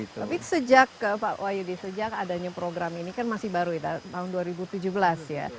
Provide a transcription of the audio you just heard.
tapi sejak ke pak wahyudi sejak adanya program ini kan masih baru ya tahun dua ribu tujuh belas ya